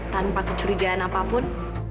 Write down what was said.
tanpa kecurigaan apapun